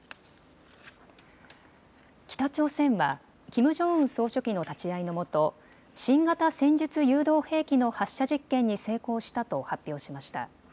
北朝鮮はキム・ジョンウン総書記の立ち会いの下、新型戦術誘導兵器の発射実験に成功したと発表しました。